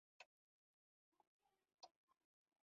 د روغتیا پاملرنې کارکوونکي د ځان په محافظتي تجهیزاتو تکیه کوي